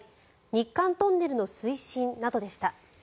日韓トンネルの推進などでした。